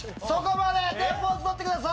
そこまで！